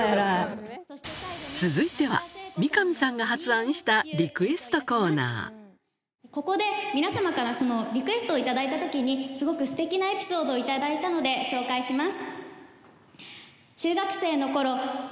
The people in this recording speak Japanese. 続いてはここで皆様からリクエストを頂いた時にすごくステキなエピソードを頂いたので紹介します。